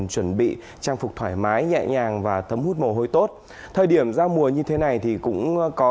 chuẩn bị trang phục thoải mái nhẹ nhàng và thấm hút mồ hôi tốt thời điểm giao mùa như thế này thì cũng có